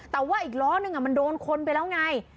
แต่ว่าอีกล้อนึงมันโดนคนไปแล้วไง